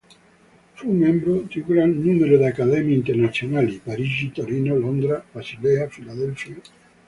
Fu membro di un gran numero di accademie internazionali: Parigi, Torino, Londra, Basilea, Filadelfia.